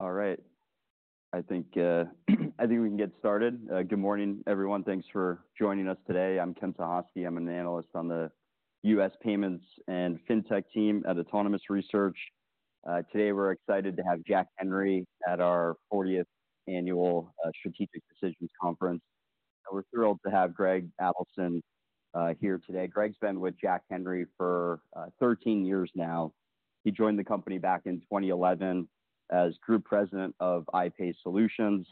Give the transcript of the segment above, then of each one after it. All right, I think, I think we can get started. Good morning, everyone. Thanks for joining us today. I'm Ken Suchoski. I'm an analyst on the US Payments and Fintech team at Autonomous Research. Today, we're excited to have Jack Henry at our 40th Annual Strategic Decisions Conference. And we're thrilled to have Greg Adelson here today. Greg's been with Jack Henry for 13 years now. He joined the company back in 2011 as Group President of iPay Solutions.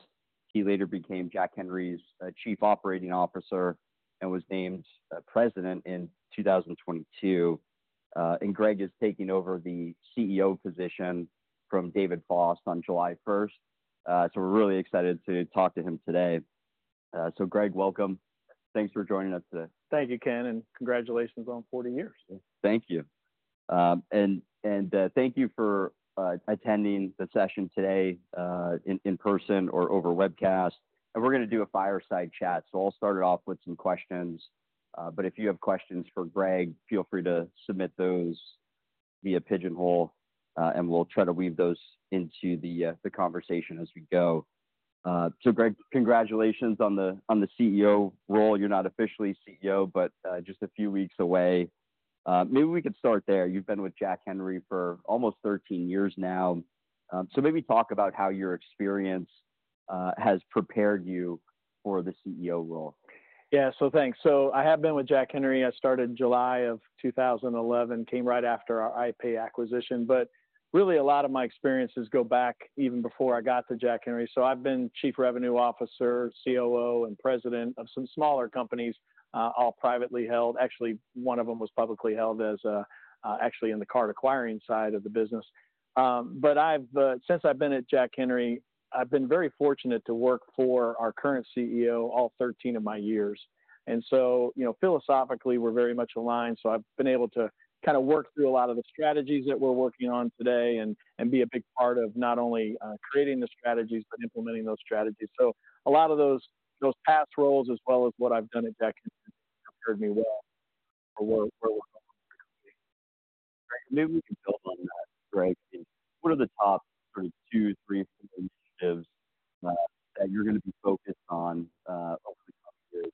He later became Jack Henry's Chief Operating Officer and was named President in 2022. And Greg is taking over the CEO position from David Foss on July 1. So we're really excited to talk to him today. So Greg, welcome. Thanks for joining us today. Thank you, Ken, and congratulations on 40 years. Thank you. And thank you for attending the session today, in person or over webcast. We're going to do a fireside chat, so I'll start it off with some questions. But if you have questions for Greg, feel free to submit those via Pigeonhole, and we'll try to weave those into the conversation as we go. So Greg, congratulations on the CEO role. You're not officially CEO, but just a few weeks away. Maybe we could start there. You've been with Jack Henry for almost 13 years now. So maybe talk about how your experience has prepared you for the CEO role. Yeah. So thanks. So I have been with Jack Henry. I started in July of 2011, came right after our iPay acquisition, but really a lot of my experiences go back even before I got to Jack Henry. So I've been Chief Revenue Officer, COO, and President of some smaller companies, all privately held. Actually, one of them was publicly held as, actually in the card acquiring side of the business. But I've since I've been at Jack Henry, I've been very fortunate to work for our current CEO, all 13 of my years. And so, you know, philosophically, we're very much aligned, so I've been able to work through a lot of the strategies that we're working on today and, and be a big part of not only, creating the strategies, but implementing those strategies. So a lot of those, those past roles, as well as what I've done at Jack Henry, prepared me well for where we're going. Maybe we can build on that, Greg. What are the top two, three initiatives that you're going to be focused on over the next two years?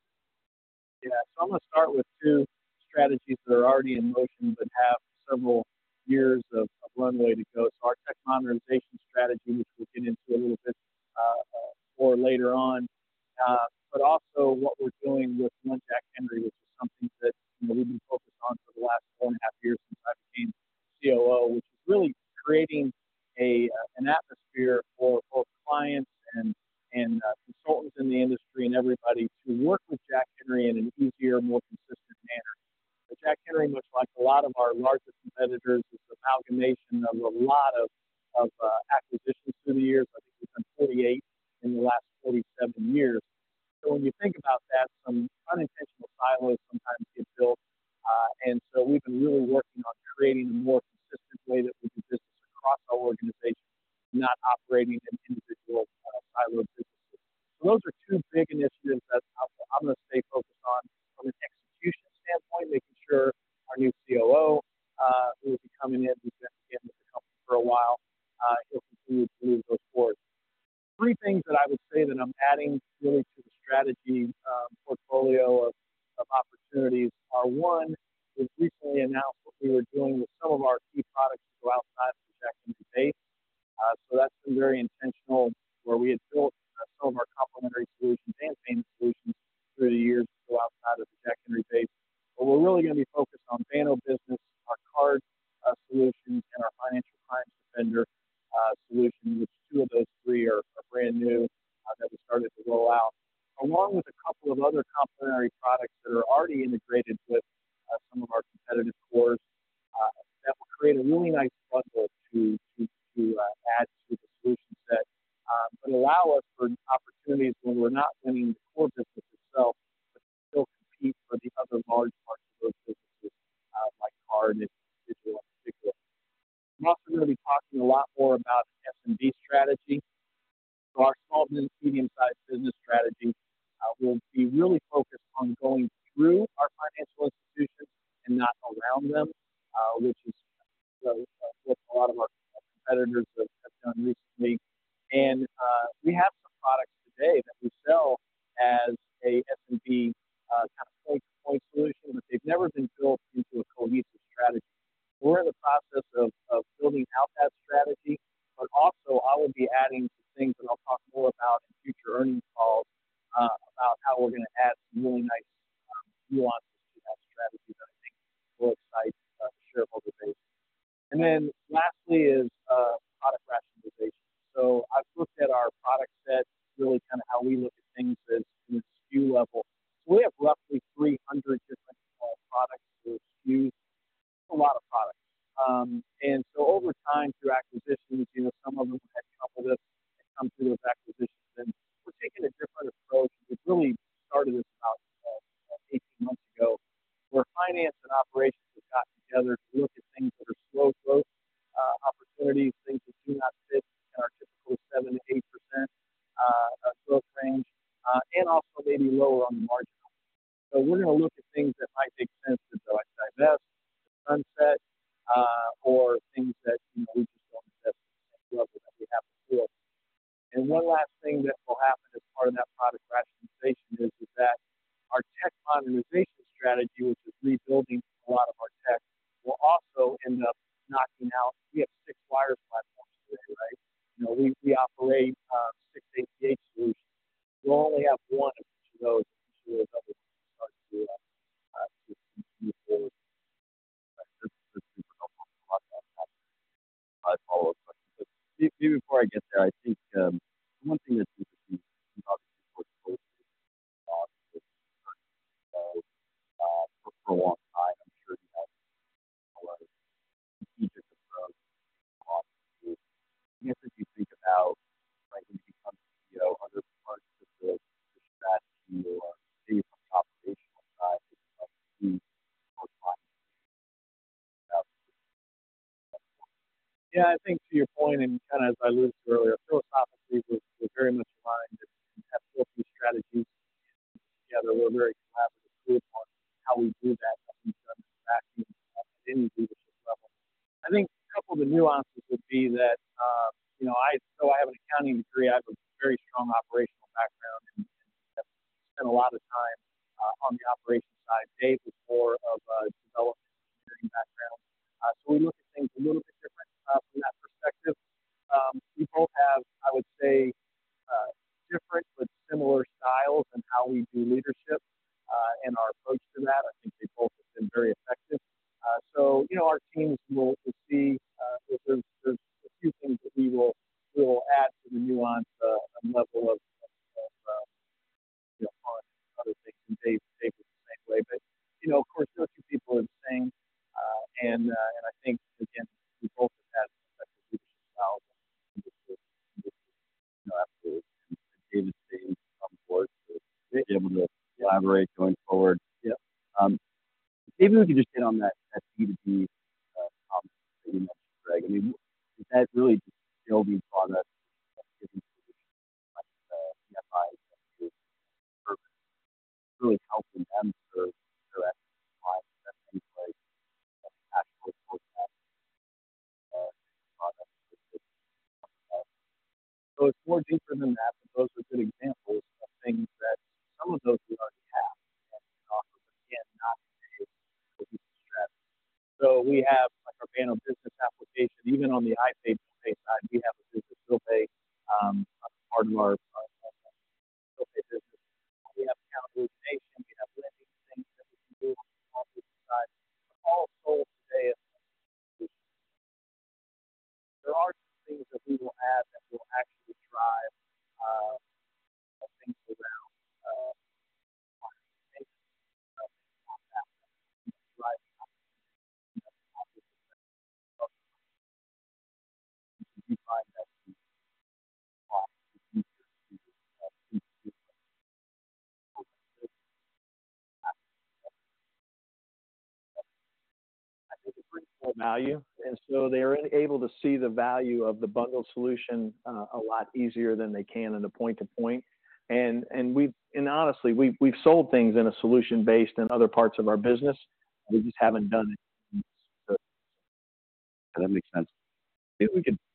Yeah. So I'm going to start with two strategies that are already in motion but have several years of runway to go. So our tech modernization strategy, which we'll get into a little bit more later on, but also what we're doing with One Jack Henry, which is something that we've been focused on for the last four and a half years since I became COO, which is really creating an atmosphere for both clients and consultants in the industry and everybody to work with Jack Henry in an easier, more consistent manner. But Jack Henry, much like a lot of our largest competitors, is an amalgamation of a lot of acquisitions through the years. I think we've done 48 in the last 47 years. So when you think about that, We're in the process of building out that strategy, but also I will be adding some things, and I'll talk more about in future earnings calls about how we're going to add some really nice nuances to that strategy that I think will excite the shareholder base. Then lastly is product rationalization. So I've looked at our product set, really kind of how we look at things as in SKU level. So we have roughly 300 different small products or SKUs, a lot of products. And so over time, through acquisitions, you know, some of them have coupled this and come through with acquisitions. And we're taking a different approach, which really started this about 18 months ago, where finance and operations have got together to look at things that are slow growth opportunities, things that do not fit in our typical 7 to 8-year growth range, and also maybe lower on the margin. So we're going to look at things that might make sense to either divest, sunset, or things that, you know, we just want to invest that we have to do. And one last thing that will happen as part of that product rationalization is that our tech modernization strategy, which is rebuilding a lot of our tech, will also end up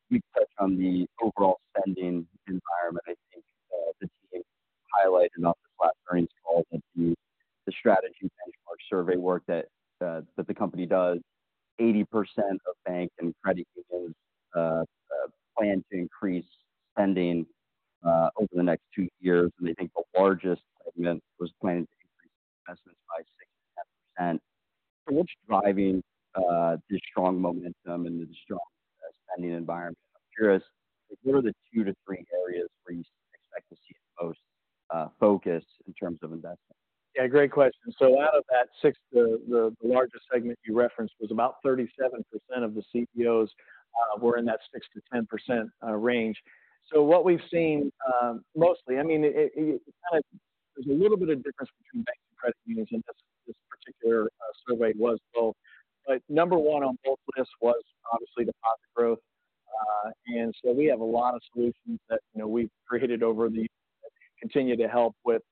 quick touch on the overall spending environment. I think, the team highlighted on this last earnings call that the, the strategy benchmark survey work that, that the company does, 80% of banks and credit unions, plan to increase spending, over the next two years, and they think the largest segment was planning to increase investments by 6% to 10%. So what's driving, this strong momentum and the strong spending environment? I'm curious, what are the two to three areas where you expect to see the most, focus in terms of investment? Yeah, great question. So out of that six, the largest segment you referenced was about 37% of the CEOs were in that 6% to 10% range. So what we've seen, mostly, I mean, there's a little bit of difference between banks and credit unions, and this particular survey was both. But number one on both lists was obviously deposit growth. And so we have a lot of solutions that, you know, we've created over the years that continue to help with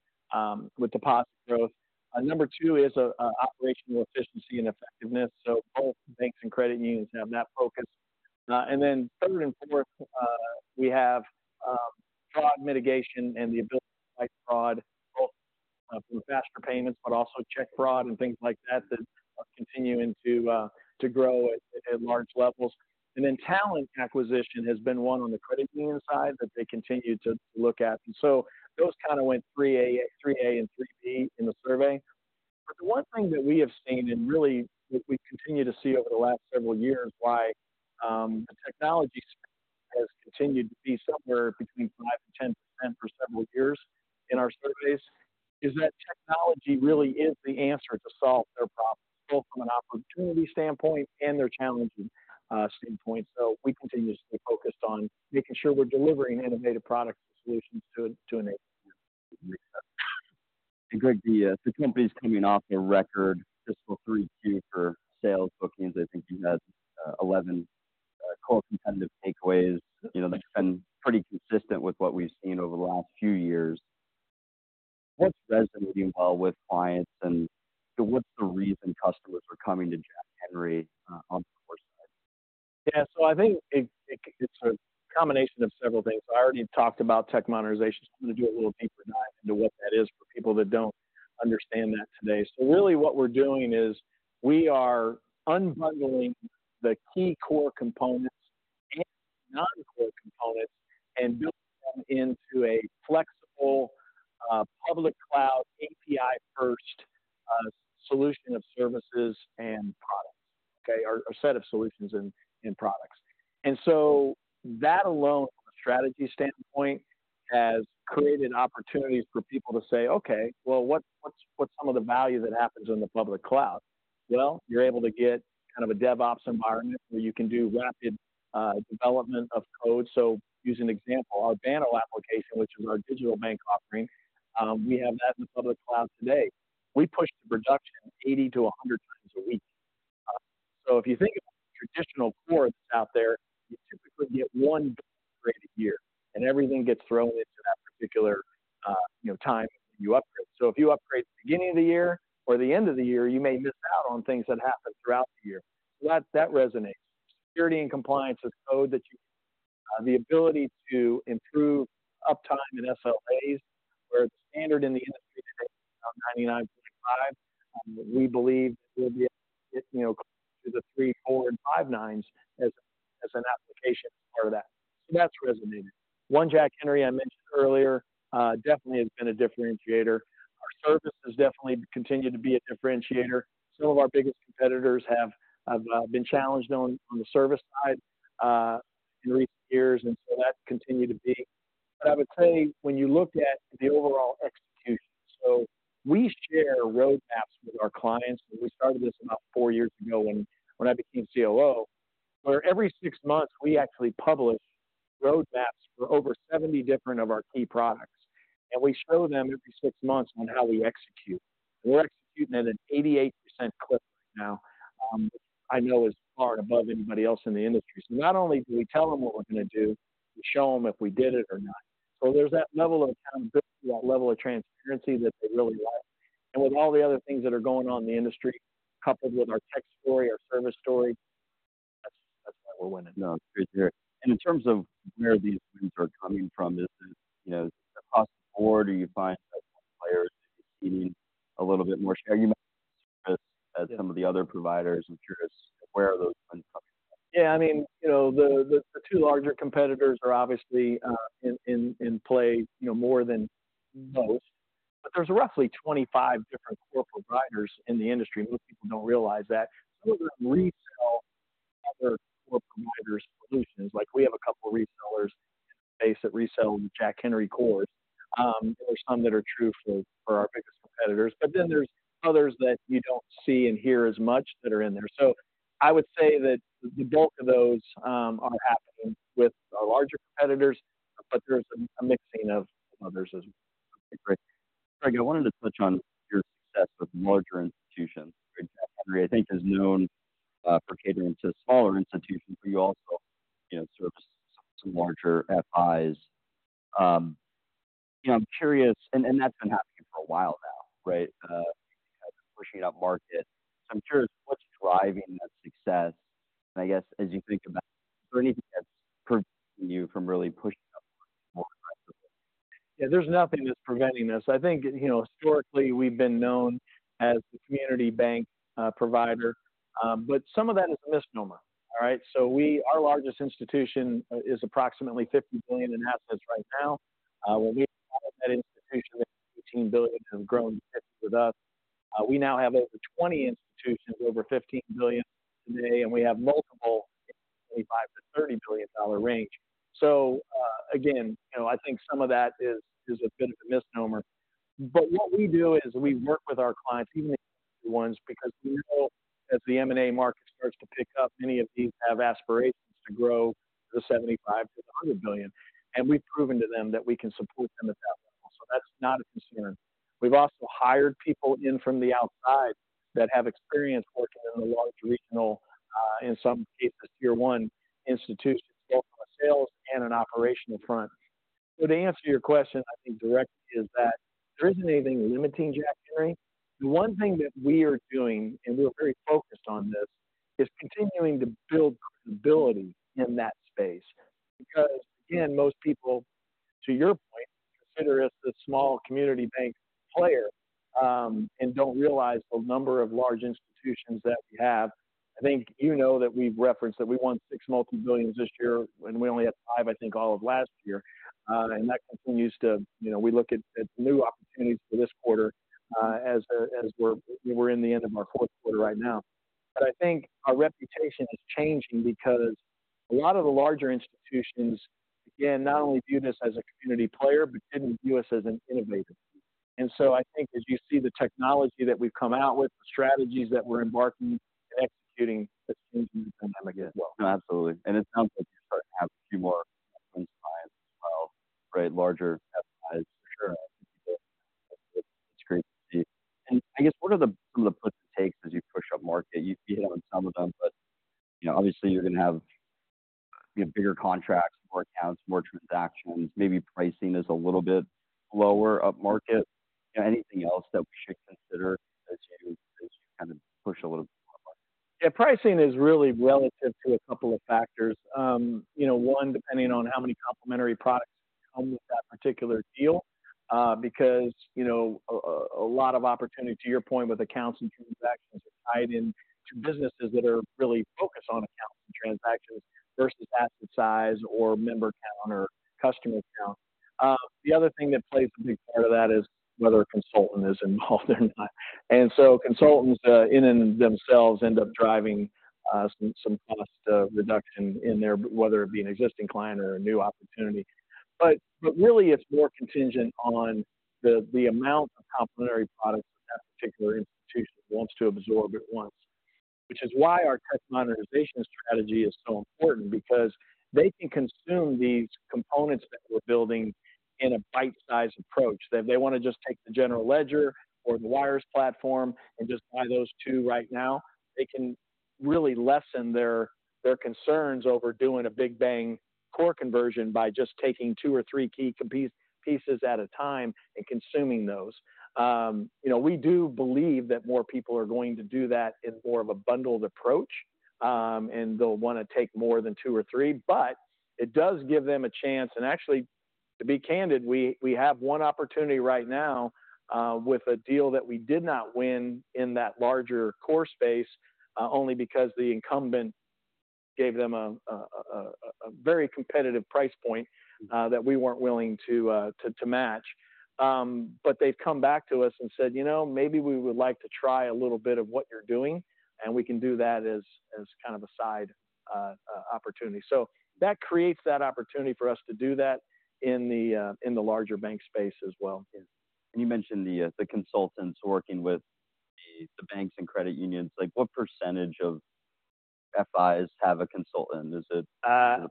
deposit growth. Number two is operational efficiency and effectiveness. So both banks and credit unions have that focus. and then third and fourth, we have fraud mitigation and the ability to fight fraud from faster payments, but also check fraud and things like that that are continuing to grow at large levels. And then talent acquisition has been one on the credit union side that they continue to look at. And so those kind of went three A, three A and three B in the survey. But the one thing that we have seen and really we, we continue to see over the last several years, why, the technology has continued to be somewhere between 5% and 10% for several years in our surveys, is that technology really is the answer to solve their problems, both from an opportunity standpoint and their challenging standpoint. So we continue to stay focused on making sure we're delivering innovative products and solutions to enable them.... And Greg, the company is coming off a record fiscal 3Q sales bookings. I think you had 11 core competitive takeaways. You know, that's been pretty consistent with what we've seen over the last few years. What's resonating well with clients, and what's the reason customers are coming to Jack Henry on the core side? Yeah, so I think it, it's a combination of several things. I already talked about tech modernization. I'm going to do a little deeper dive into what that is for people that don't understand that today. So really what we're doing is we are unbundling the key core components and non-core components and building them into a flexible, public cloud, API-first, solution of services and products, okay? Or a set of solutions and, and products. And so that alone, from a strategy standpoint, has created opportunities for people to say, "Okay, well, what's some of the value that happens in the public cloud?" Well, you're able to get kind of a DevOps environment where you can do rapid, development of code. So use an example, our Banno application, which is our digital bank offering, we have that in the public cloud today. We push the production 80 to 100 times a week. So if you think of traditional cores out there, you typically get one upgrade a year, and everything gets thrown into that particular, you know, time you upgrade. So if you upgrade the beginning of the year or the end of the year, you may miss out on things that happen throughout the year. That, that resonates. Security and compliance is code that you, the ability to improve uptime and SLAs, where it's standard in the industry today, about 99.5%. We believe we'll be able to get, you know, to the three, four, and five nines as an application part of that. So that's resonated. One Jack Henry, I mentioned earlier, definitely has been a differentiator. Our services definitely continue to be a differentiator. Some of our biggest competitors have been challenged on the service side in recent years, and so that's continued to be. But I would say when you look at the overall execution, so we share roadmaps with our clients. We started this about 4 years ago when I became COO, where every 6 months we actually publish roadmaps for over 70 different of our key products, and we show them every 6 months on how we execute. We're executing at an 88% clip right now, I know is far above anybody else in the industry. So not only do we tell them what we're going to do, we show them if we did it or not. So there's that level of accountability, that level of transparency that they really like. With all the other things that are going on in the industry, coupled with our tech story, our service story, that's, that's why we're winning. No, it's great to hear. In terms of where these wins are coming from, is it, you know, across the board, or are you finding players getting a little bit more share? Are you, as some of the other providers, I'm curious, where are those wins coming from? Yeah, I mean, you know, the two larger competitors are obviously in play, you know, more than most, but there's roughly 25 different core providers in the industry, and most people don't realize that. Some of them resell other core providers solutions. Like, we have a couple of resellers base that resell Jack Henry cores. There's some that are true for our biggest competitors, but then there's others that you don't see and hear as much that are in there. So I would say that the bulk of those are happening with our larger competitors, but there's a mixing of others as well. Great. Greg, I wanted to touch on your success with larger institutions. Jack Henry, I think, is known for catering to smaller institutions, but you also, you know, serve some larger FIs. You know, I'm curious, and, and that's been happening for a while now, right? Pushing up market. So I'm curious, what's driving that success? I guess, as you think about it, is there anything that's preventing you from really pushing up more? Yeah, there's nothing that's preventing this. I think, you know, historically, we've been known as the community bank provider, but some of that is a misnomer. All right? So, our largest institution is approximately $50 billion in assets right now. That institution is $18 billion have grown with us. We now have over 20 institutions over $15 billion today, and we have multiple $25 to $30 billion range. So, again, you know, I think some of that is a bit of a misnomer. But what we do is we work with our clients, even the ones, because we know as the M&A market starts to pick up, many of these have aspirations to grow to $75 to $100 billion, and we've proven to them that we can support them at that level. So that's not a concern. We've also hired people in from the outside that have experience working in a large regional, in some cases, tier one institutions, both on a sales and an operational front. So to answer your question, I think directly is that there isn't anything limiting Jack Henry. The one thing that we are doing, and we are very focused on this, is continuing to build credibility in that space. Because, again, most people, to your point, consider us the small community bank player, and don't realize the number of large institutions that we have. I think you know that we've referenced that we won 6 multi-billions this year, and we only had 5, I think, all of last year. And that continues to, you know, we look at new opportunities for this quarter, as we're in the end of our fourth quarter right now. But I think our reputation is changing because a lot of the larger institutions, again, not only view this as a community player, but tend to view us as an innovator. And so I think as you see the technology that we've come out with, the strategies that we're embarking and executing this again. Absolutely. It sounds like you have a few more as well, right? Larger FIs for sure. It's great to see. I guess what are the gives and takes as you push upmarket? You hit on some of them, but, you know, obviously you're going to have, you know, bigger contracts, more accounts, more transactions, maybe pricing is a little bit lower upmarket. Anything else that we should consider as you kind of push a little bit more upmarket? Yeah, pricing is really relative to a couple of factors. You know, one, depending on how many complementary products come with that particular deal, because, you know, a lot of opportunity, to your point, with accounts and transactions are tied in to businesses that are really focused on accounts and transactions versus asset size or member count or customer count. The other thing that plays a big part of that is whether a consultant is involved or not. And so consultants in and themselves end up driving some cost reduction in there, whether it be an existing client or a new opportunity. But really it's more contingent on the amount of complementary products that that particular institution wants to absorb at once, which is why our tech modernization strategy is so important, because they can consume these components that we're building in a bite-sized approach. If they want to just take the General Ledger or the wires platform and just buy those two right now, they can really lessen their concerns over doing a big bang core conversion by just taking two or three key pieces at a time and consuming those. You know, we do believe that more people are going to do that in more of a bundled approach, and they'll want to take more than two or three. But it does give them a chance and actually, to be candid, we have one opportunity right now, with a deal that we did not win in that larger core space, only because the incumbent gave them a very competitive price point, that we weren't willing to match. But they've come back to us and said: "You know, maybe we would like to try a little bit of what you're doing, and we can do that as kind of a side opportunity." So that creates that opportunity for us to do that in the larger bank space as well. You mentioned the consultants working with the banks and credit unions. Like, what percentage of FIs have a consultant? Is it-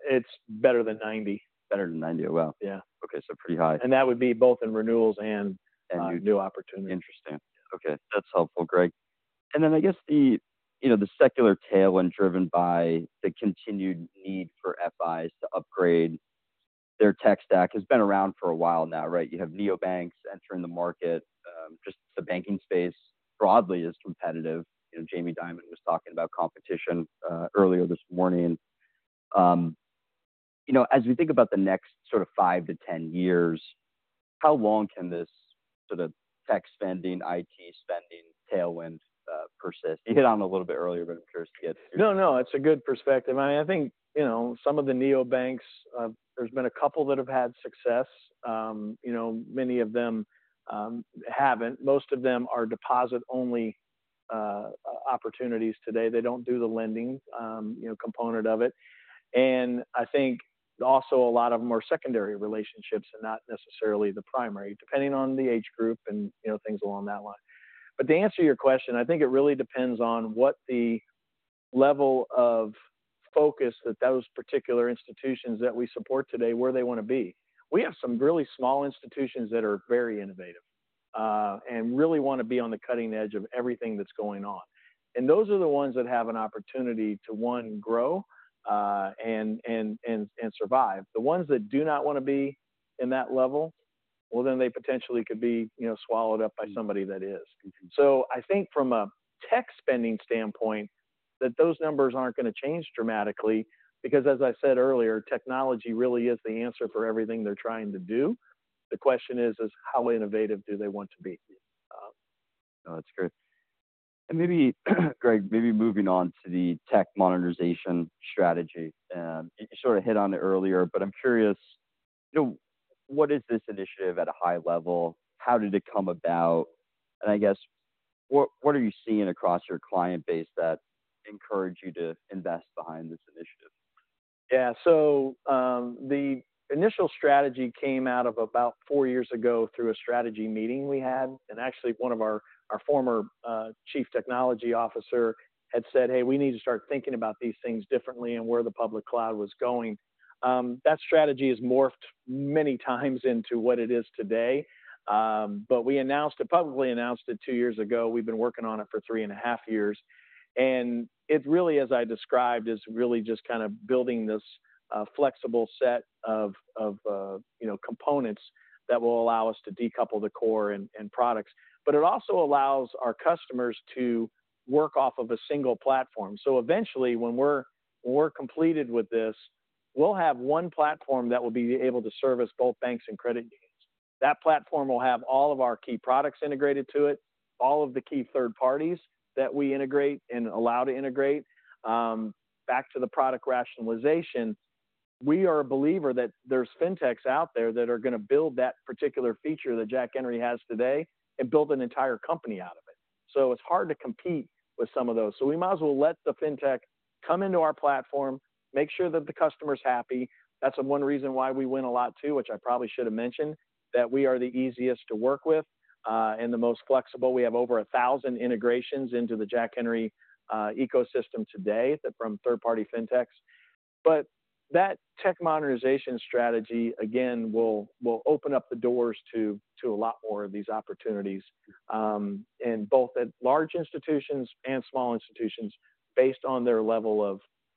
It's better than 90. Better than 90. Wow! Yeah. Okay, so pretty high. That would be both in renewals and- And- -new opportunities. Interesting. Okay, that's helpful, Greg. And then I guess the, you know, the secular tailwind, driven by the continued need for FIs to upgrade their tech stack, has been around for a while now, right? You have neobanks entering the market. Just the banking space broadly is competitive. You know, Jamie Dimon was talking about competition earlier this morning. You know, as we think about the next sort of 5 to 10 years, how long can this sort of tech spending, IT spending tailwind persist? You hit on it a little bit earlier, but I'm curious to get- No, no, it's a good perspective. I, I think, you know, some of the neobanks, there's been a couple that have had success. You know, many of them, haven't. Most of them are deposit-only opportunities today. They don't do the lending, you know, component of it. And I think also a lot of them are secondary relationships and not necessarily the primary, depending on the age group and, you know, things along that line. But to answer your question, I think it really depends on what the level of focus that those particular institutions that we support today, where they want to be. We have some really small institutions that are very innovative, and really want to be on the cutting edge of everything that's going on. And those are the ones that have an opportunity to, one, grow, and survive. The ones that do not want to be in that level, well, then they potentially could be, you know, swallowed up by somebody that is. Mm-hmm. I think from a tech spending standpoint, that those numbers aren't going to change dramatically because, as I said earlier, technology really is the answer for everything they're trying to do. The question is, is how innovative do they want to be? No, that's great. And maybe, Greg, maybe moving on to the Tech Modernization strategy. You sort of hit on it earlier, but I'm curious, you know, what is this initiative at a high level? How did it come about? And I guess, what, what are you seeing across your client base that encourage you to invest behind this initiative? Yeah. So, the initial strategy came out of about four years ago through a strategy meeting we had, and actually one of our former, chief technology officer had said: "Hey, we need to start thinking about these things differently," and where the public cloud was going. That strategy has morphed many times into what it is today. But we announced it publicly announced it two years ago. We've been working on it for 3.5 years. And it really, as I described, is really just kind of building this, flexible set of, of, you know, components that will allow us to decouple the core and, and products. But it also allows our customers to work off of a single platform. So eventually, when we're completed with this, we'll have one platform that will be able to service both banks and credit unions. That platform will have all of our key products integrated to it, all of the key third parties that we integrate and allow to integrate. Back to the product rationalization, we are a believer that there's fintechs out there that are going to build that particular feature that Jack Henry has today and build an entire company out of it. So it's hard to compete with some of those. So we might as well let the fintech come into our platform, make sure that the customer's happy. That's the one reason why we win a lot, too, which I probably should have mentioned, that we are the easiest to work with and the most flexible. We have over 1,000 integrations into the Jack Henry ecosystem today from third-party fintechs, but that tech modernization strategy, again, will open up the doors to a lot more of these opportunities in both at large institutions and small institutions based on their level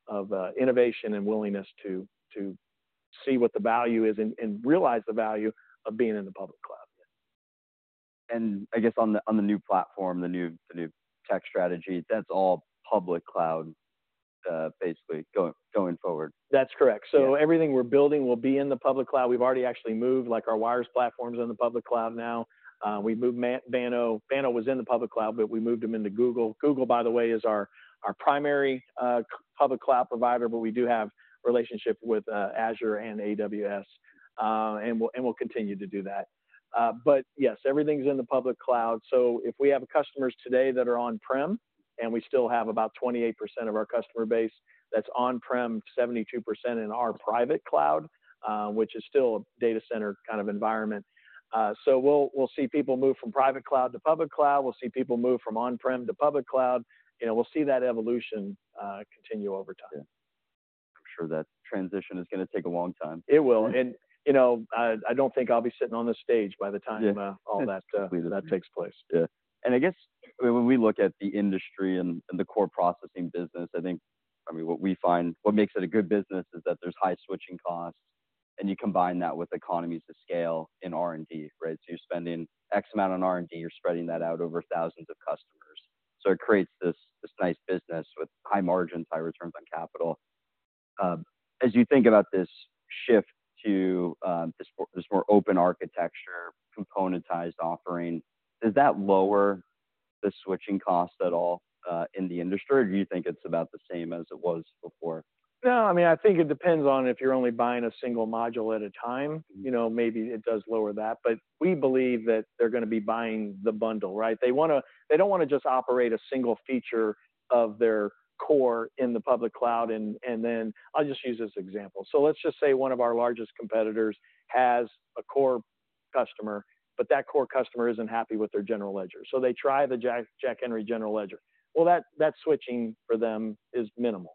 of innovation and willingness to see what the value is and realize the value of being in the public cloud. I guess on the new platform, the new tech strategy, that's all public cloud, basically going forward? That's correct. Yeah. So everything we're building will be in the public cloud. We've already actually moved, like, our wires platform's in the public cloud now. We moved Banno. Banno was in the public cloud, but we moved them into Google. Google, by the way, is our primary public cloud provider, but we do have relationship with Azure and AWS, and we'll continue to do that. But yes, everything's in the public cloud. So if we have customers today that are on-prem, and we still have about 28% of our customer base that's on-prem, 72% in our private cloud, which is still a data center kind of environment. So we'll see people move from private cloud to public cloud. We'll see people move from on-prem to public cloud. You know, we'll see that evolution continue over time. Yeah. I'm sure that transition is going to take a long time. It will. Yeah. You know, I, I don't think I'll be sitting on this stage by the time- Yeah All that, Absolutely that takes place. Yeah. I guess when we look at the industry and the core processing business, I think... I mean, what we find, what makes it a good business is that there's high switching costs, and you combine that with economies of scale in R&D, right? So you're spending X amount on R&D, you're spreading that out over thousands of customers. So it creates this nice business with high margins, high returns on capital. As you think about this shift to this more open architecture, componentized offering, does that lower the switching costs at all in the industry, or do you think it's about the same as it was before? No, I mean, I think it depends on if you're only buying a single module at a time- Mm-hmm You know, maybe it does lower that. But we believe that they're going to be buying the bundle, right? They want to, they don't want to just operate a single feature of their core in the public cloud, and then... I'll just use this example. So let's just say one of our largest competitors has a core customer, but that core customer isn't happy with their general ledger. So they try the Jack Henry general ledger. Well, that switching for them is minimal,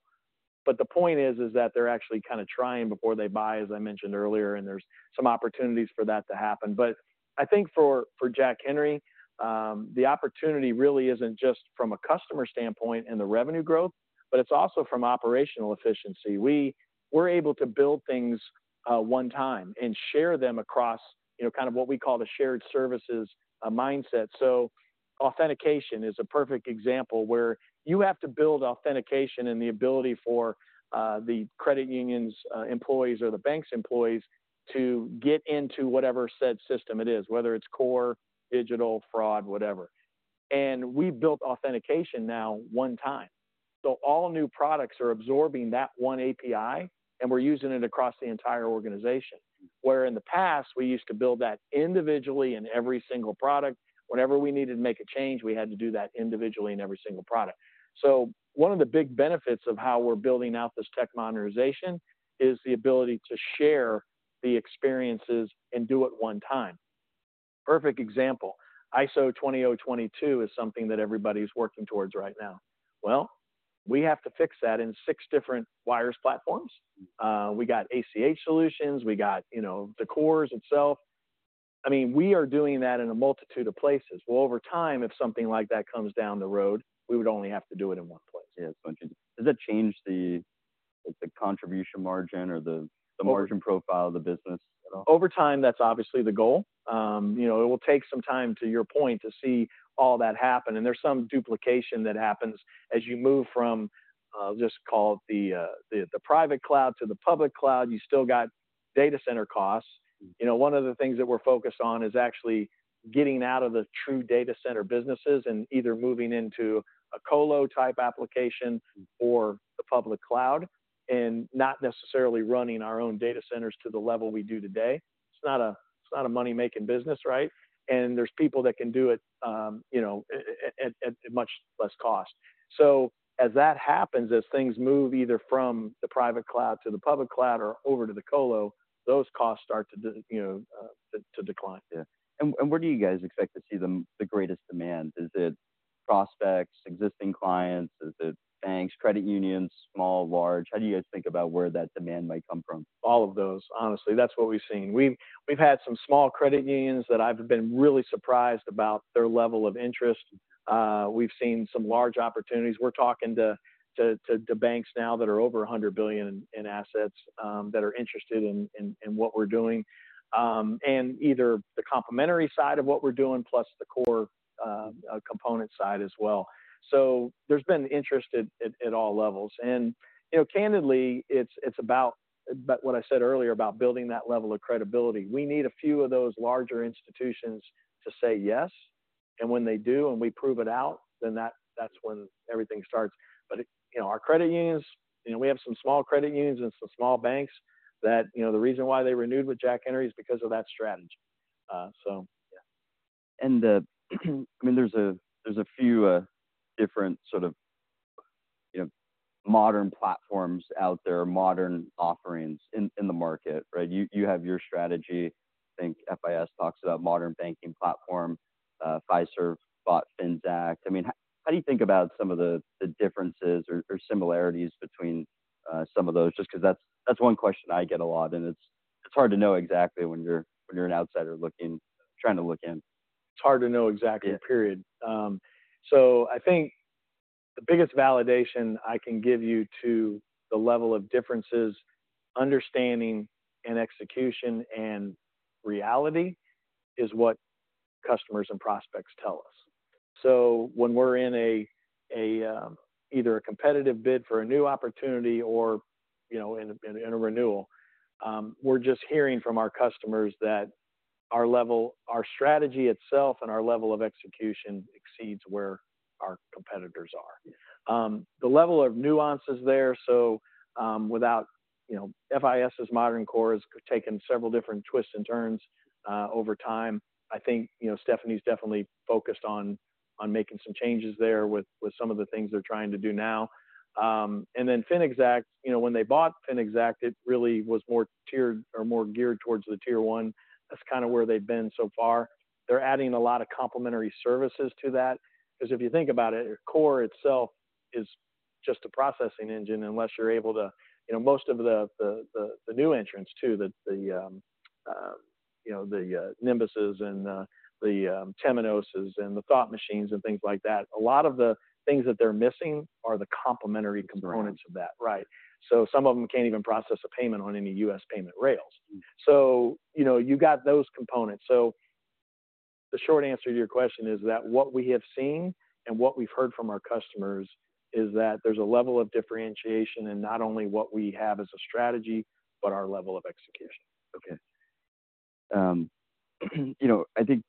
but the point is that they're actually kind of trying before they buy, as I mentioned earlier, and there's some opportunities for that to happen. But I think for Jack Henry, the opportunity really isn't just from a customer standpoint and the revenue growth, but it's also from operational efficiency. We're able to build things one time and share them across, you know, kind of what we call the shared services mindset. So authentication is a perfect example where you have to build authentication and the ability for the credit union's employees or the bank's employees to get into whatever said system it is, whether it's core, digital, fraud, whatever. And we've built authentication now one time. So all new products are absorbing that one API, and we're using it across the entire organization. Mm. Where in the past, we used to build that individually in every single product. Whenever we needed to make a change, we had to do that individually in every single product. So one of the big benefits of how we're building out this tech modernization is the ability to share the experiences and do it one time. Perfect example, ISO 20022 is something that everybody's working towards right now. Well, we have to fix that in six different wires platforms. Mm. We got ACH solutions, we got, you know, the cores itself. I mean, we are doing that in a multitude of places. Well, over time, if something like that comes down the road, we would only have to do it in one place. Yeah, it's bunch of— Does that change the contribution margin or the- Of course The margin profile of the business at all? Over time, that's obviously the goal. You know, it will take some time, to your point, to see all that happen, and there's some duplication that happens as you move from, just call it the private cloud to the public cloud. You still got data center costs. Mm. You know, one of the things that we're focused on is actually getting out of the true data center businesses and either moving into a colo type application- Mm Or the public cloud, and not necessarily running our own data centers to the level we do today. It's not a, it's not a money-making business, right? And there's people that can do it, you know, at much less cost. So as that happens, as things move either from the private cloud to the public cloud or over to the colo, those costs start to de- you know, to decline. Yeah. And where do you guys expect to see the greatest demand? Is it prospects, existing clients? Is it banks, credit unions, small, large? How do you guys think about where that demand might come from? All of those. Honestly, that's what we've seen. We've had some small credit unions that I've been really surprised about their level of interest. We've seen some large opportunities. We're talking to banks now that are over $100 billion in assets that are interested in what we're doing. And either the complementary side of what we're doing, plus the core component side as well. So there's been interest at all levels. And you know, candidly, it's about what I said earlier about building that level of credibility. We need a few of those larger institutions to say yes, and when they do, and we prove it out, then that's when everything starts. But, you know, our credit unions, you know, we have some small credit unions and some small banks that, you know, the reason why they renewed with Jack Henry is because of that strategy. So yeah. I mean, there's a few different sort of, you know, modern platforms out there, modern offerings in the market, right? You have your strategy.... I think FIS talks about the Modern Banking Platform. Fiserv bought Finxact. I mean, how do you think about some of the differences or similarities between some of those? Just because that's one question I get a lot, and it's hard to know exactly when you're an outsider looking, trying to look in. It's hard to know exactly, period. So I think the biggest validation I can give you to the level of differences, understanding and execution and reality is what customers and prospects tell us. So when we're in a either a competitive bid for a new opportunity or, you know, in a renewal, we're just hearing from our customers that our level, our strategy itself and our level of execution exceeds where our competitors are. The level of nuance is there, so, without, you know, FIS's modern core has taken several different twists and turns, over time. I think, you know, Stephanie's definitely focused on, on making some changes there with, with some of the things they're trying to do now. And then Finxact, you know, when they bought Finxact, it really was more tiered or more geared towards the Tier One. That's kind of where they've been so far. They're adding a lot of complementary services to that, because if you think about it, your core itself is just a processing engine unless you're able to... You know, most of the new entrants too, the Nymbus's and the Temenos' and the Thought Machine, and things like that. A lot of the things that they're missing are the complementary components of that. Right. Right. So some of them can't even process a payment on any U.S. payment rails. Mm. So, you know, you've got those components. So the short answer to your question is that what we have seen and what we've heard from our customers is that there's a level of differentiation in not only what we have as a strategy, but our level of execution. Okay. You know, I think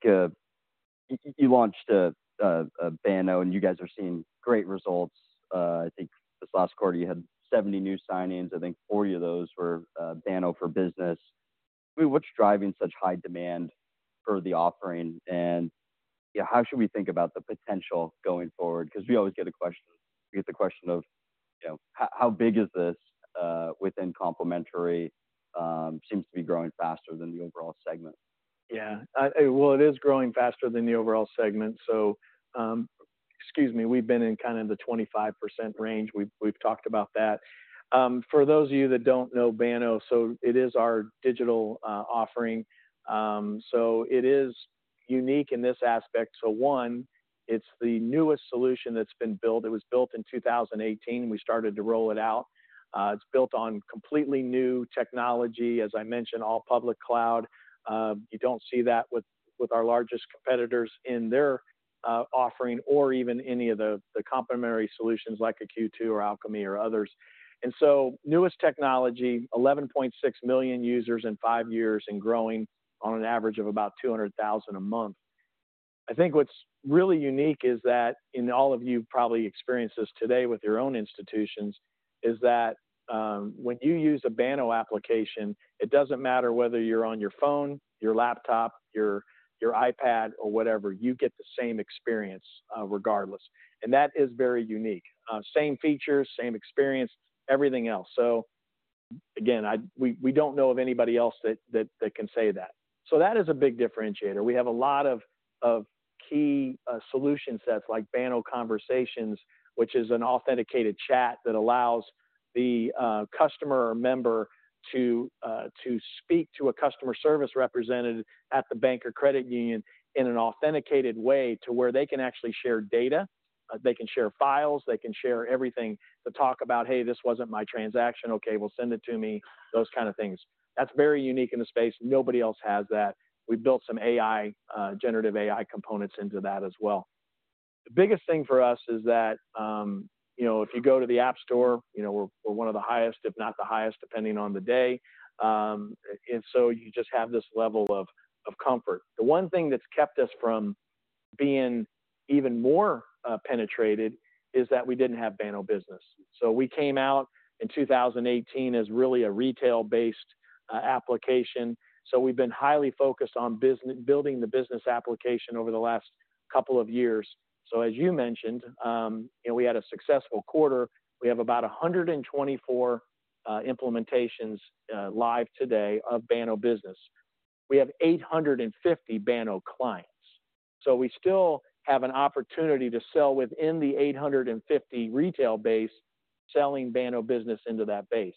you launched a Banno, and you guys are seeing great results. I think this last quarter you had 70 new signings. I think 40 of those were Banno for business. I mean, what's driving such high demand for the offering, and, yeah, how should we think about the potential going forward? Because we always get a question, we get the question of, you know, how big is this? Within complementary, seems to be growing faster than the overall segment. Yeah, well, it is growing faster than the overall segment, so, excuse me. We've been in kind of the 25% range. We've talked about that. For those of you that don't know Banno, so it is our digital offering. So it is unique in this aspect. So one, it's the newest solution that's been built. It was built in 2018, we started to roll it out. It's built on completely new technology, as I mentioned, all public cloud. You don't see that with our largest competitors in their offering or even any of the complementary solutions like a Q2 or Alkami or others. And so newest technology, 11.6 million users in five years and growing on an average of about 200,000 a month. I think what's really unique is that, and all of you probably experience this today with your own institutions, is that, when you use a Banno application, it doesn't matter whether you're on your phone, your laptop, your iPad, or whatever, you get the same experience, regardless. And that is very unique. Same features, same experience, everything else. So again, we, we don't know of anybody else that, that, that can say that. So that is a big differentiator. We have a lot of key solution sets like Banno Conversations, which is an authenticated chat that allows the customer or member to speak to a customer service representative at the bank or credit union in an authenticated way to where they can actually share data, they can share files, they can share everything to talk about, "Hey, this wasn't my transaction." "Okay, well, send it to me." Those kind of things. That's very unique in the space. Nobody else has that. We've built some AI, generative AI components into that as well. The biggest thing for us is that, you know, if you go to the App Store, you know, we're one of the highest, if not the highest, depending on the day. And so you just have this level of comfort. The one thing that's kept us from being even more penetrated is that we didn't have Banno Business. So we came out in 2018 as really a retail-based application, so we've been highly focused on building the business application over the last couple of years. So as you mentioned, and we had a successful quarter. We have about 124 implementations live today of Banno Business. We have 850 Banno clients. So we still have an opportunity to sell within the 850 retail base, selling Banno Business into that base.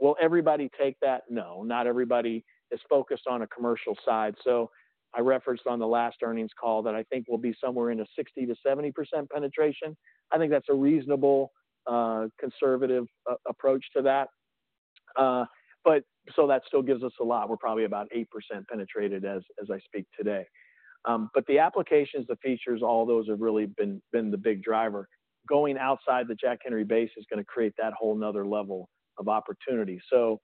Will everybody take that? No, not everybody is focused on a commercial side, so I referenced on the last earnings call that I think we'll be somewhere in the 60% to 70% penetration. I think that's a reasonable, conservative approach to that. But that still gives us a lot. We're probably about 8% penetrated as I speak today. But the applications, the features, all those have really been the big driver. Going outside the Jack Henry base is going to create that whole another level of opportunity. So,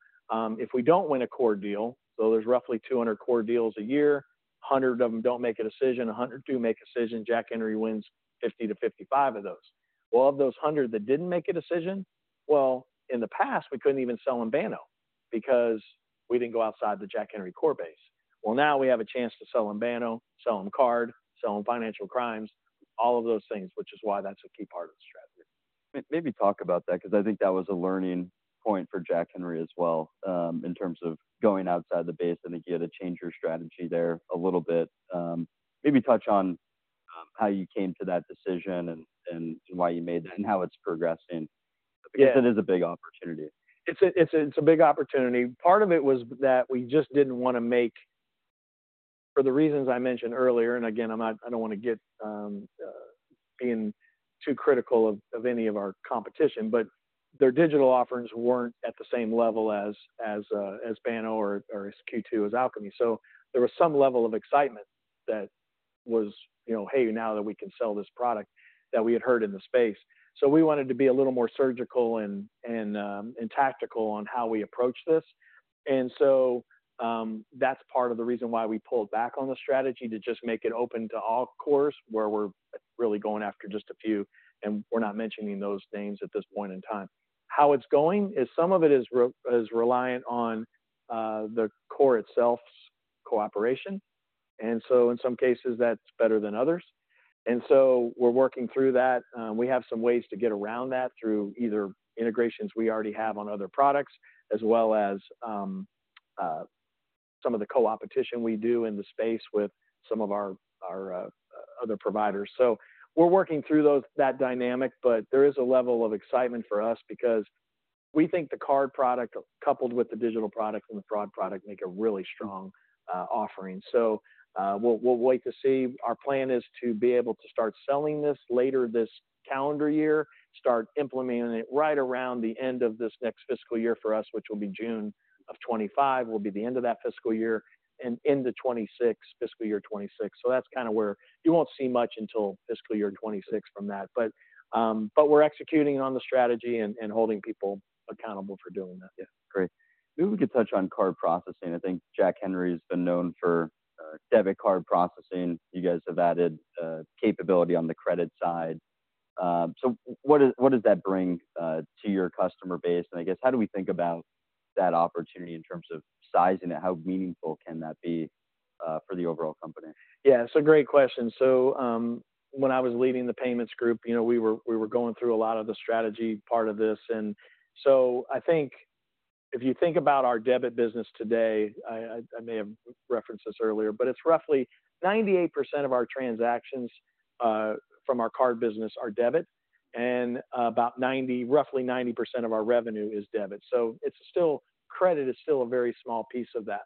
if we don't win a core deal, so there's roughly 200 core deals a year, 100 of them don't make a decision, 100 do make a decision, Jack Henry wins 50 to 55 of those. Well, of those 100 that didn't make a decision, well, in the past, we couldn't even sell in Banno because we didn't go outside the Jack Henry core base. Well, now we have a chance to sell in Banno, sell in card, sell in financial crimes, all of those things, which is why that's a key part of the strategy.... Maybe talk about that, 'cause I think that was a learning point for Jack Henry as well, in terms of going outside the base. I think you had to change your strategy there a little bit. Maybe touch on how you came to that decision and why you made that, and how it's progressing. Yeah. Because it is a big opportunity. It's a big opportunity. Part of it was that we just didn't want to make... For the reasons I mentioned earlier, and again, I'm not. I don't want to get in too critical of any of our competition, but their digital offerings weren't at the same level as Banno or as Q2 or Alkami. So there was some level of excitement that was, you know, "Hey, now that we can sell this product," that we had heard in the space. So we wanted to be a little more surgical and tactical on how we approach this. And so, that's part of the reason why we pulled back on the strategy to just make it open to all cores, where we're really going after just a few, and we're not mentioning those names at this point in time. How it's going is some of it is reliant on the core itself's cooperation, and so in some cases, that's better than others. And so we're working through that. We have some ways to get around that through either integrations we already have on other products, as well as some of the co-opetition we do in the space with some of our other providers. So we're working through that dynamic, but there is a level of excitement for us because we think the card product, coupled with the digital product and the fraud product, make a really strong offering. So, we'll wait to see. Our plan is to be able to start selling this later this calendar year, start implementing it right around the end of this next fiscal year for us, which will be June of 2025, the end of that fiscal year and into 2026, fiscal year 2026. So that's kind of where you won't see much until fiscal year 2026 from that. But we're executing on the strategy and holding people accountable for doing that. Yeah. Great. Maybe we could touch on card processing. I think Jack Henry's been known for, debit card processing. You guys have added, capability on the credit side. So what does, what does that bring, to your customer base? And I guess, how do we think about that opportunity in terms of sizing it? How meaningful can that be, for the overall company? Yeah, it's a great question. So, when I was leading the payments group, you know, we were going through a lot of the strategy part of this. And so I think if you think about our debit business today, I may have referenced this earlier, but it's roughly 98% of our transactions from our card business are debit, and about roughly 90% of our revenue is debit. So it's still... Credit is still a very small piece of that.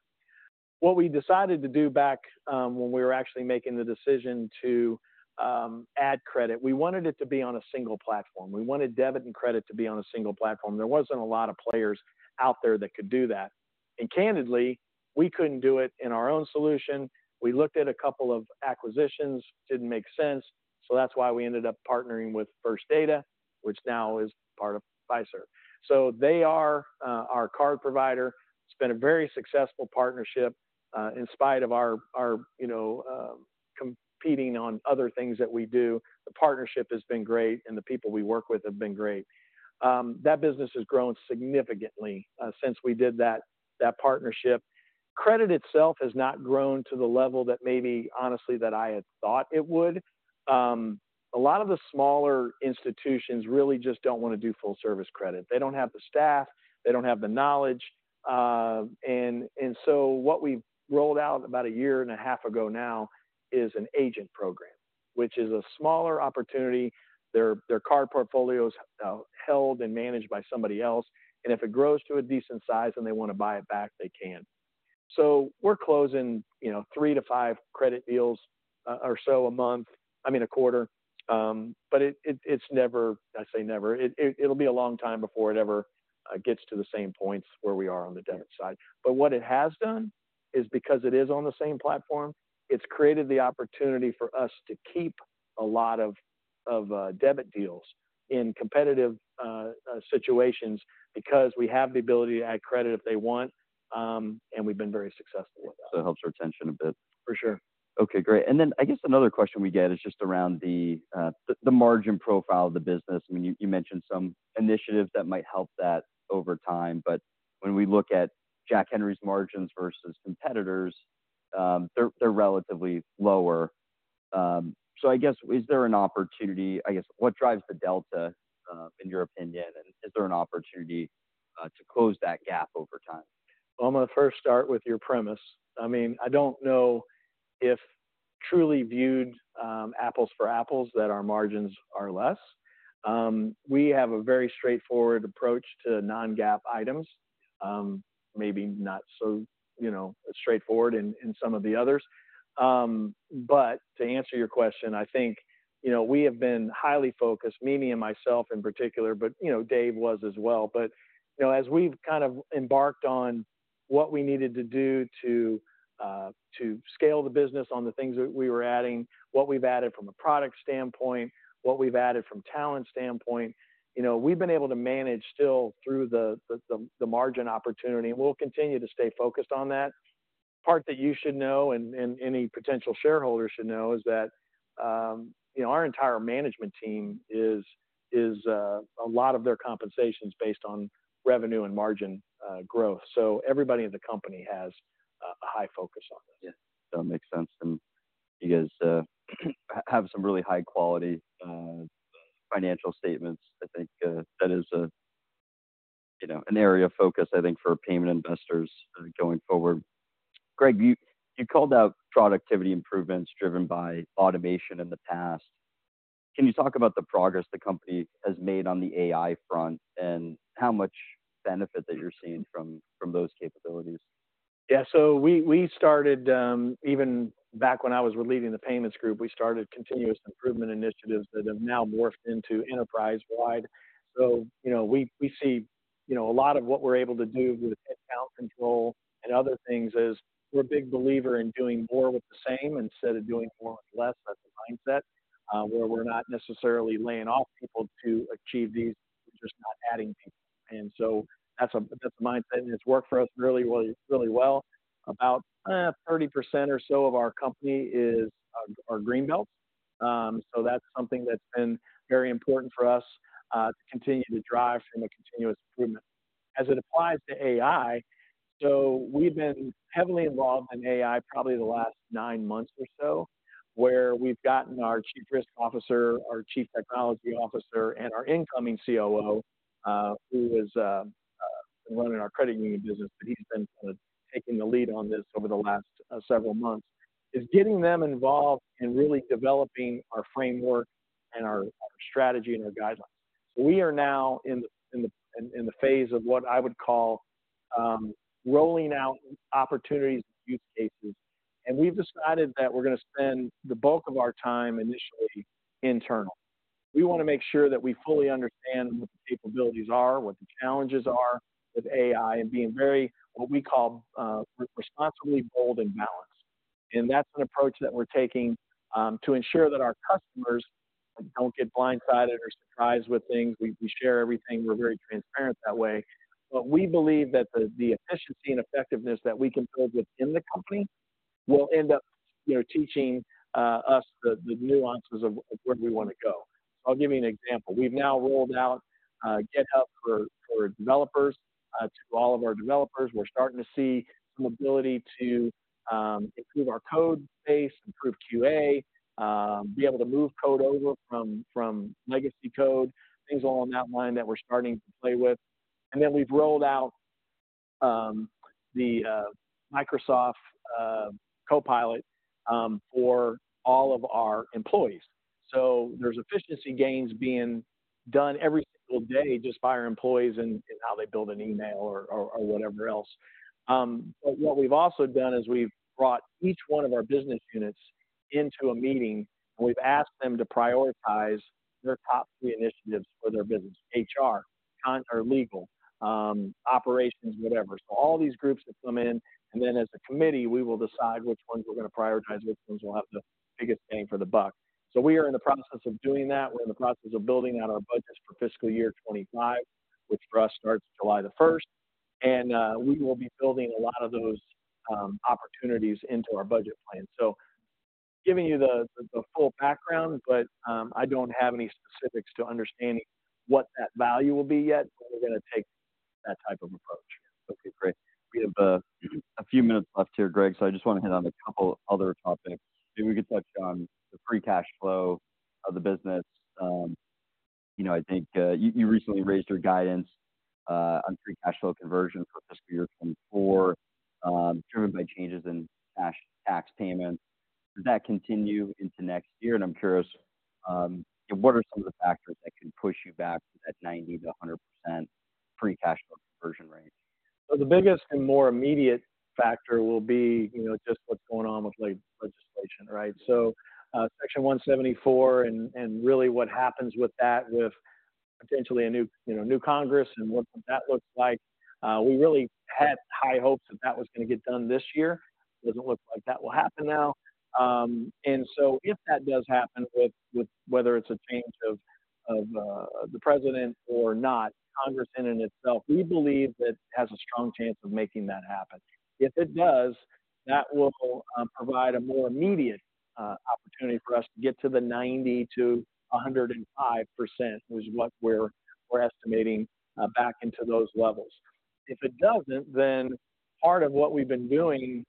What we decided to do back, when we were actually making the decision to add credit, we wanted it to be on a single platform. We wanted debit and credit to be on a single platform. There wasn't a lot of players out there that could do that. And candidly, we couldn't do it in our own solution. We looked at a couple of acquisitions, didn't make sense, so that's why we ended up partnering with First Data, which now is part of Fiserv. So they are our card provider. It's been a very successful partnership in spite of our you know competing on other things that we do. The partnership has been great, and the people we work with have been great. That business has grown significantly since we did that partnership. Credit itself has not grown to the level that maybe, honestly, that I had thought it would. A lot of the smaller institutions really just don't want to do full service credit. They don't have the staff, they don't have the knowledge. And so what we rolled out about a year and a half ago now is an agent program, which is a smaller opportunity. Their card portfolio is held and managed by somebody else, and if it grows to a decent size and they want to buy it back, they can. So we're closing, you know, three to five-credit deals, or so a month—I mean, a quarter. But it's never... I say never, it'll be a long time before it ever gets to the same points where we are on the debit side. But what it has done is because it is on the same platform, it's created the opportunity for us to keep a lot of debit deals in competitive situations because we have the ability to add credit if they want, and we've been very successful with that. It helps our retention a bit. For sure. Okay, great. And then I guess another question we get is just around the margin profile of the business. I mean, you mentioned some initiatives that might help that over time, but when we look at Jack Henry's margins versus competitors, they're relatively lower. So I guess, is there an opportunity... I guess, what drives the delta in your opinion, and is there an opportunity to close that gap over time? Well, I'm going to first start with your premise. I mean, I don't know if truly viewed apples for apples, that our margins are less. We have a very straightforward approach to non-GAAP items. Maybe not so, you know, straightforward in some of the others. But to answer your question, I think, you know, we have been highly focused, Mimi and myself in particular, but you know, Dave was as well. But, you know, as we've kind of embarked on what we needed to do to scale the business on the things that we were adding, what we've added from a product standpoint, what we've added from a talent standpoint, you know, we've been able to manage still through the margin opportunity, and we'll continue to stay focused on that. Part that you should know and any potential shareholder should know is that, you know, our entire management team is a lot of their compensation is based on revenue and margin growth. So everybody in the company has a high focus on this. Yeah, that makes sense, and you guys have some really high-quality financial statements. I think that is a, you know, an area of focus, I think, for payment investors going forward. Greg, you called out productivity improvements driven by automation in the past. Can you talk about the progress the company has made on the AI front and how much benefit that you're seeing from those capabilities? Yeah, so we started even back when I was leading the payments group, we started continuous improvement initiatives that have now morphed into enterprise-wide. So, you know, we see, you know, a lot of what we're able to do with headcount control and other things is we're a big believer in doing more with the same instead of doing more with less. That's the mindset, where we're not necessarily laying off people to achieve these, we're just not adding people. And so that's the mindset, and it's worked for us really well, really well. About 30% or so of our company is Green Belts. So that's something that's been very important for us to continue to drive from a continuous improvement. As it applies to AI, we've been heavily involved in AI probably the last 9 months or so, where we've gotten our Chief Risk Officer, our Chief Technology Officer, and our incoming COO, who is running our credit union business. But he's been taking the lead on this over the last several months. Is getting them involved in really developing our framework and our strategy and our guidelines. We are now in the phase of what I would call rolling out opportunities, use cases, and we've decided that we're gonna spend the bulk of our time initially, internal. We wanna make sure that we fully understand what the capabilities are, what the challenges are with AI, and being very, what we call, responsibly bold and balanced. And that's an approach that we're taking to ensure that our customers don't get blindsided or surprised with things. We share everything. We're very transparent that way. But we believe that the efficiency and effectiveness that we can build within the company will end up, you know, teaching us the nuances of where we wanna go. I'll give you an example. We've now rolled out GitHub for developers to all of our developers. We're starting to see some ability to improve our code base, improve QA, be able to move code over from legacy code, things along that line that we're starting to play with. And then we've rolled out the Microsoft Copilot for all of our employees. So there's efficiency gains being done every single day just by our employees and how they build an email or whatever else. But what we've also done is we've brought each one of our business units into a meeting, and we've asked them to prioritize their top three initiatives for their business, HR, consulting or legal, operations, whatever. So all these groups that come in, and then as a committee, we will decide which ones we're gonna prioritize, which ones will have the biggest bang for the buck. So we are in the process of doing that. We're in the process of building out our budgets for fiscal year 2025, which for us starts July 1. And we will be building a lot of those opportunities into our budget plan. So giving you the full background, but I don't have any specifics to understanding what that value will be yet, but we're gonna take that type of approach. Okay, great. We have a few minutes left here, Greg, so I just wanna hit on a couple other topics. Maybe we could touch on the free cash flow of the business. You know, I think you recently raised your guidance on free cash flow conversion for fiscal year 2024, driven by changes in cash tax payments. Does that continue into next year? And I'm curious, what are some of the factors that can push you back to that 90%-100% free cash flow conversion rate? So the biggest and more immediate factor will be, you know, just what's going on with labor legislation, right? So, Section 174 and really what happens with that, with potentially a new, you know, new Congress and what that looks like. We really had high hopes that that was gonna get done this year. It doesn't look like that will happen now. And so if that does happen with whether it's a change of the president or not, Congress in and itself, we believe that has a strong chance of making that happen. If it does, that will provide a more immediate opportunity for us to get to the 90% to 105%, which is what we're estimating back into those levels. If it doesn't, then part of what we've been doing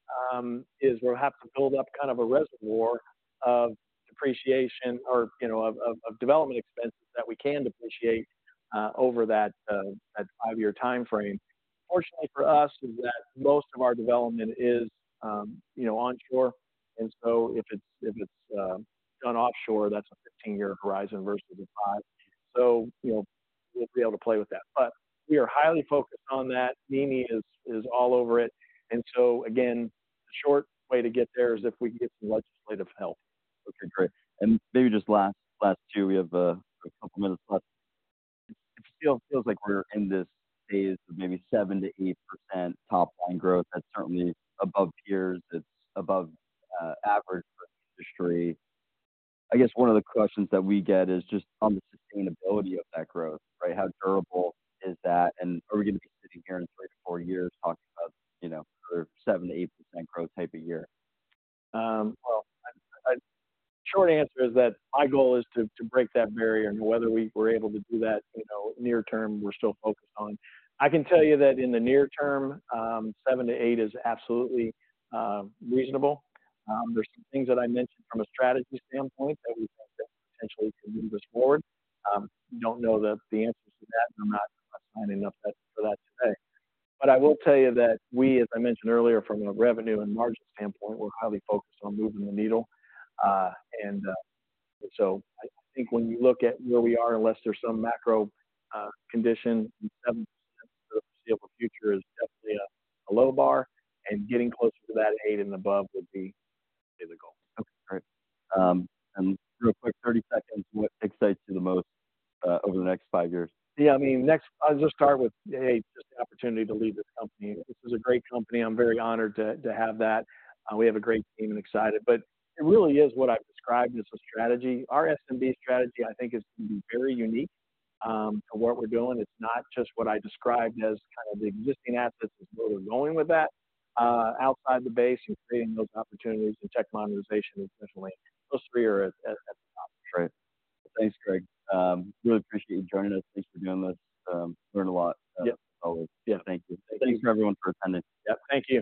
is we'll have to build up kind of a reservoir of depreciation or, you know, of development expenses that we can depreciate over that five-year timeframe. Fortunately for us, is that most of our development is, you know, onshore, and so if it's done offshore, that's a 15-year horizon versus the five. So, you know, we'll be able to play with that. But we are highly focused on that. Mimi is all over it. And so again, the short way to get there is if we can get some legislative help. Okay, great. And maybe just last, last two, we have a couple minutes left. It still feels like we're in this phase of maybe 7% to 8% top line growth. That's certainly above peers, it's above average for industry. I guess one of the questions that we get is just on the sustainability of that growth, right? How durable is that, and are we gonna be sitting here in three to four years talking about, you know, 7% to 8% growth type of year? Well, short answer is that my goal is to break that barrier. And whether we were able to do that, you know, near term, we're still focused on... I can tell you that in the near term, seven to eight is absolutely reasonable. There's some things that I mentioned from a strategy standpoint that we think that potentially can move us forward. Don't know the, the answers to that, and I'm not signing up that, for that today. But I will tell you that we, as I mentioned earlier, from a revenue and margin standpoint, we're highly focused on moving the needle. So I think when you look at where we are, unless there's some macro condition, 7% foreseeable future is definitely a low bar, and getting closer to that 8 and above would be the goal. Okay. Great. And real quick, 30 seconds. What excites you the most, over the next 5 years? Yeah, I mean, next—I'll just start with, hey, just the opportunity to lead this company. This is a great company. I'm very honored to have that. We have a great team and excited, but it really is what I've described as a strategy. Our SMB strategy, I think, is very unique to what we're doing. It's not just what I described as kind of the existing assets, is where we're going with that, outside the base and creating those opportunities and check monetization, especially those three are at the top. Great. Thanks, Greg. Really appreciate you joining us. Thanks for doing this. Learned a lot. Yep. Always. Yeah. Thank you. Thanks, everyone, for attending. Yep. T`hank you.